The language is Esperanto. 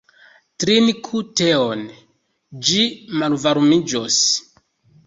Trinku teon, ĝi malvarmiĝos.